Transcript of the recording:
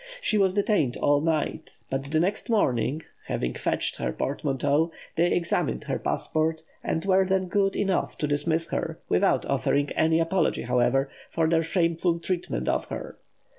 She was detained all night; but the next morning, having fetched her portmanteau, they examined her passport, and were then good enough to dismiss her, without offering any apology, however, for their shameful treatment of her.